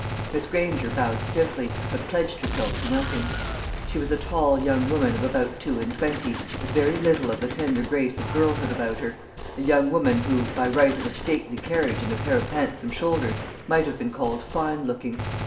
Miss Granger bowed stiffly, but pledged herself to nothing. She was a tall young woman of about two and twenty, with very little of the tender grace of girlhood about her; a young woman who, by right of a stately carriage and a pair of handsome shoulders, might have been called fine looking.